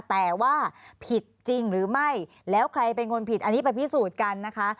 แต่ว่าผิดจริงหรือไม่แล้วใครเป็นคนผิดอันนี้ไปพิสูจน์กันนะคะ